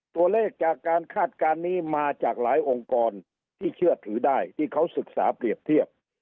ตัวเลขจากการคาดการณ์นี้มาจากหลายองค์กรที่เชื่อถือได้ที่เขาศึกษาเปรียบเทียบ